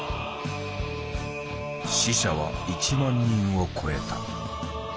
死者は１万人を超えた。